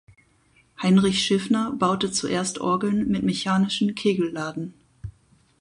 Heinrich Schiffner baute zuerst Orgeln mit mechanischen Kegelladen.